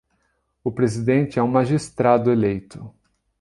O presidente é um magistrado eleito.